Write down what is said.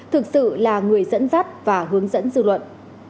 thực sự là người dẫn dắt và hướng dẫn dư luận